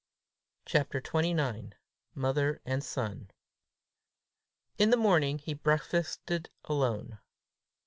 CHAPTER XXIX. MOTHER AND SON. In the morning he breakfasted alone.